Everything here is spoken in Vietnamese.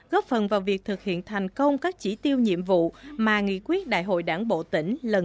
góp phần vào việc thực hiện thành công các chỉ tiêu nhiệm vụ mà nghị quyết đại hội đảng bộ tỉnh lần thứ một mươi đã đề ra